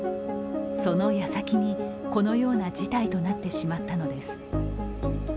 その矢先に、このような事態となってしまったのです。